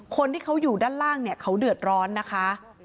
คนที่เขาอยู่ด้านล่างเนี่ยเขาเดือดร้อนนะคะ